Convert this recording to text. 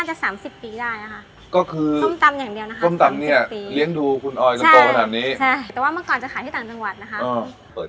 ใช่ค่ะให้ได้มีหลายอย่างในคำนึงเลย